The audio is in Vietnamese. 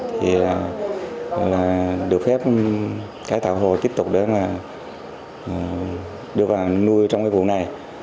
thì được phép cải tạo hồ tiếp tục để mà đưa vào nuôi trong cái vụ này